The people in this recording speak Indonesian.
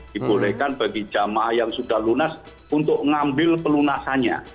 dibolehkan bagi jamaah yang sudah lunas untuk mengambil pelunasannya